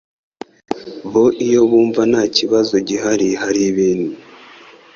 bo iyo bumva nta kibazo gihari hari ibintu